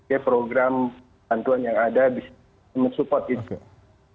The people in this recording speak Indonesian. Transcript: ya program bantuan yang ada bisa mensupport itu